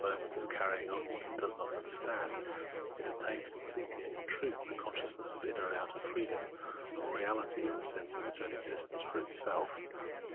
The Unhappy Consciousness 217 ment of carrying on what it does not understand — it obtains, completely and in truth, the consciousness of inner and outer freedom, or reahty in the sense of its own existence for itself.